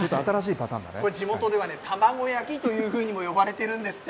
これ、地元では玉子焼きというふうにも呼ばれているんですって。